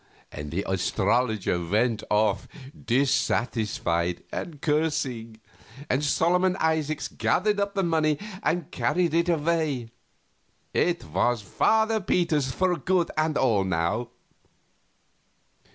The astrologer went off dissatisfied and cursing, and Solomon Isaacs gathered up the money and carried it away. It was Father Peter's for good and all, now.